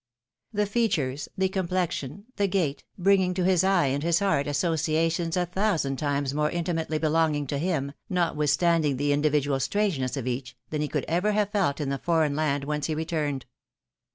The features, the comiDlexion, the gait, bringing to his eye and his heart associations a thousand times more intimately belonging to him, notwithstanding the indi vidual strangeness of each, than he could ever have felt in the foreign land whence he returned.